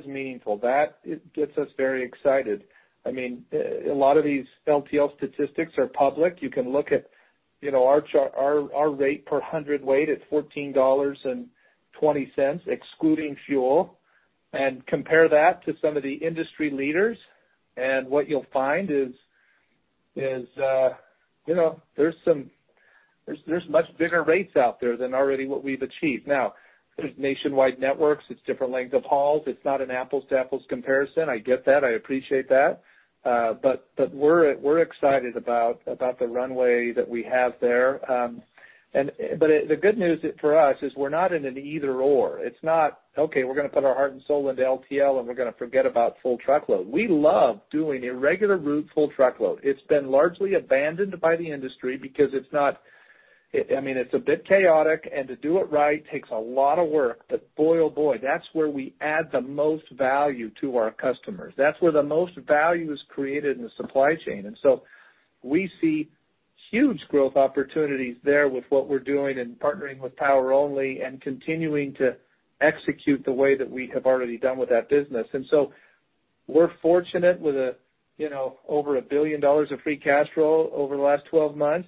meaningful. That gets us very excited. I mean, a lot of these LTL statistics are public. You can look at, you know, our rate per hundredweight at $14.20, excluding fuel, and compare that to some of the industry leaders. What you'll find is, you know, there's much bigger rates out there than already what we've achieved. Now, there's nationwide networks, it's different length of hauls. It's not an apples to apples comparison. I get that. I appreciate that. We're excited about the runway that we have there. The good news for us is we're not in an either/or. It's not, okay, we're gonna put our heart and soul into LTL, and we're gonna forget about full truckload. We love doing irregular route full truckload. It's been largely abandoned by the industry because it's not, I mean, it's a bit chaotic, and to do it right takes a lot of work. Boy, oh boy, that's where we add the most value to our customers. That's where the most value is created in the supply chain. We see huge growth opportunities there with what we're doing in partnering with power-only and continuing to execute the way that we have already done with that business. We're fortunate with, you know, over $1 billion of free cash flow over the last 12 months,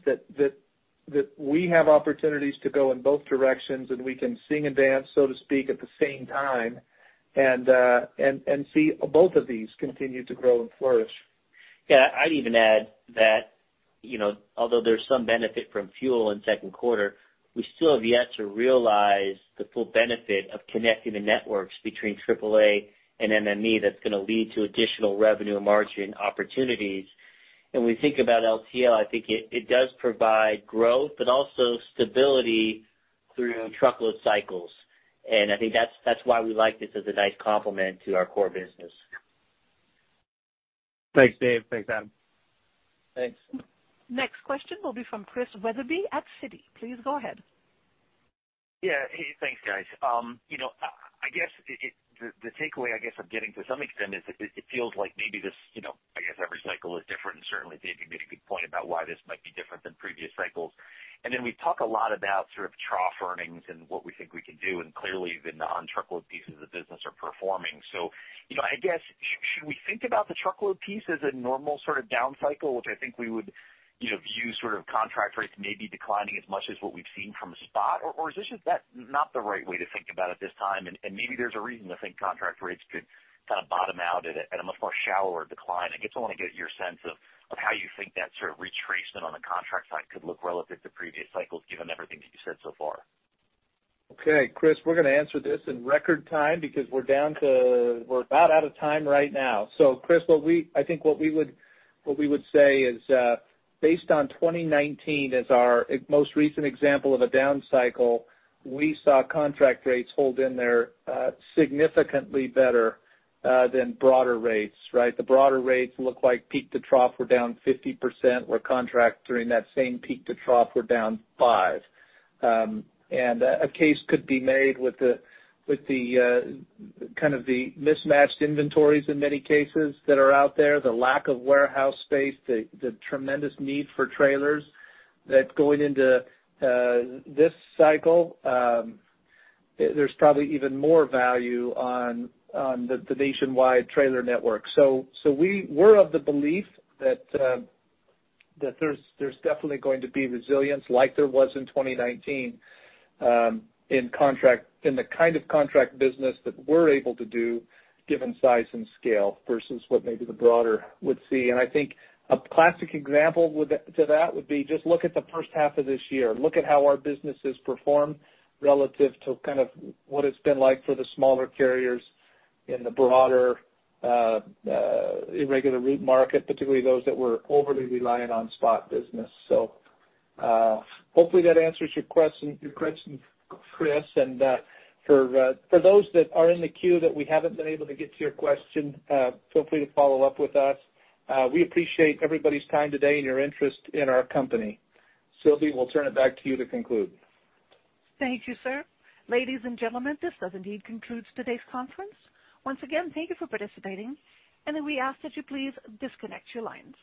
that we have opportunities to go in both directions, and we can sing and dance, so to speak, at the same time and see both of these continue to grow and flourish. Yeah, I'd even add that, you know, although there's some benefit from fuel in second quarter, we still have yet to realize the full benefit of connecting the networks between AAA and MME, that's gonna lead to additional revenue and margin opportunities. When we think about LTL, I think it does provide growth but also stability through truckload cycles. I think that's why we like this as a nice complement to our core business. Thanks, Dave. Thanks, Adam. Thanks. Next question will be from Chris Wetherbee at Citi. Please go ahead. Yeah. Hey, thanks, guys. You know, I guess the takeaway I guess I'm getting to some extent is that it feels like maybe this, you know, I guess every cycle is different. Certainly Dave, you made a good point about why this might be different than previous cycles. Then we talk a lot about sort of trough earnings and what we think we can do, and clearly the non-truckload pieces of the business are performing. You know, I guess should we think about the truckload piece as a normal sort of down cycle, which I think we would, you know, view sort of contract rates maybe declining as much as what we've seen from spot? Is this just that not the right way to think about it this time, and maybe there's a reason to think contract rates could kind of bottom out at a much more shallower decline? I guess I want to get your sense of how you think that sort of retracement on the contract side could look relative to previous cycles, given everything that you've said so far. Okay, Chris, we're gonna answer this in record time because we're down to. We're about out of time right now. Chris, I think what we would say is based on 2019 as our most recent example of a down cycle, we saw contract rates hold in there significantly better than broader rates, right? The broader rates look like peak to trough were down 50%, where contract during that same peak to trough were down 5%. A case could be made with the kind of the mismatched inventories in many cases that are out there, the lack of warehouse space, the tremendous need for trailers that's going into this cycle, there's probably even more value on the nationwide trailer network. We're of the belief that there's definitely going to be resilience like there was in 2019 in the kind of contract business that we're able to do given size and scale versus what maybe the broader would see. I think a classic example of that would be just look at the first half of this year. Look at how our businesses performed relative to kind of what it's been like for the smaller carriers in the broader irregular route market, particularly those that were overly reliant on spot business. Hopefully that answers your question, Chris. For those that are in the queue that we haven't been able to get to your question, feel free to follow up with us. We appreciate everybody's time today and your interest in our company. Sylvie, we'll turn it back to you to conclude. Thank you, sir. Ladies and gentlemen, this does indeed conclude today's conference. Once again, thank you for participating, and we ask that you please disconnect your lines.